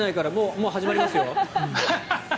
もう始まりますよ。